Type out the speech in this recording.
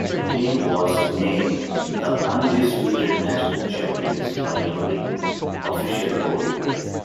The team was named the "undisputed national champions by every official poll".